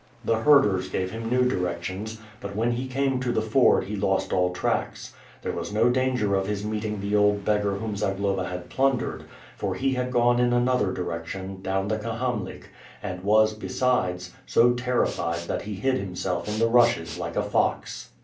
The herders gave him new directions, but when he came to the ford he lost all tracks. There was no danger of his meeting the old beggar whom Zagloba had plundered, for he had gone in another direction, down the Kahamlik, and Avas, besides, so terrified that he hid himself in the rushes like a fox.